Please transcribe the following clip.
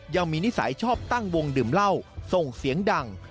นิสัยชอบตั้งวงดื่มเหล้าส่งเสียงดัง